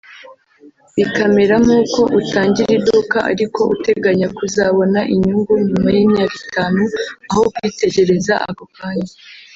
bikamera nk’uko ‘utangira iduka ariko uteganya ko uzabona inyungu nyuma y’imyaka itanu’ aho kuyitegereza ako kanya